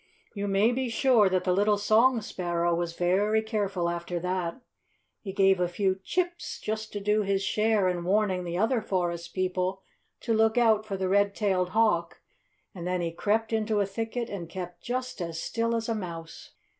You may be sure that the little song sparrow was very careful after that. He gave a few chips, just to do his share in warning the other forest people to look out for the red tailed hawk; and then he crept into a thicket and kept just as still as a mouse.